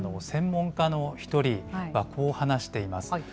専門家の一人は、こう話しています。